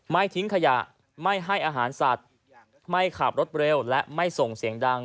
ไม่ทิ้งขยะไม่ให้อาหารสัตว์ไม่ขับรถเร็วและไม่ส่งเสียงดัง